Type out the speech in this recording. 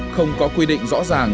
không có quy định rõ ràng